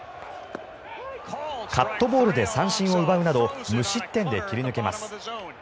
カットボールで三振を奪うなど無失点で切り抜けます。